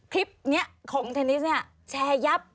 คลิปนี้ของเทนนิสเนี่ยแชร์ยับ